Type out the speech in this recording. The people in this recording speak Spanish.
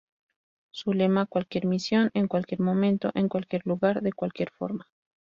Su lema; "Cualquier misión, en cualquier momento, en cualquier lugar, de cualquier forma".